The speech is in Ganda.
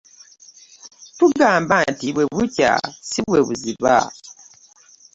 Tugamba nti bwe bukya si bwe buziba.